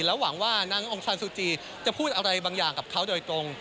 แล้วหวังว่านางองซานซูจีจะพูดอะไรบางอย่างกับเขาโดยตรง